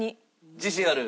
自信ある？